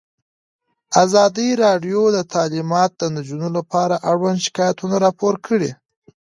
ازادي راډیو د تعلیمات د نجونو لپاره اړوند شکایتونه راپور کړي.